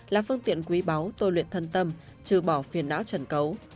là phương tiện quý báu tôi luyện thân tâm trừ bỏ phiền não trần cấu